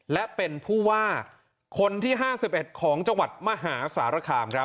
และเป็นผู้ว่าคนที่๕๑ของจังหวัดมหาสารคาม